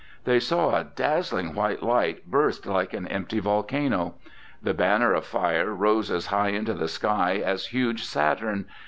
They saw a dazzling white light burst like an empty volcano. The banner of fire rose as high into the sky as huge Saturn.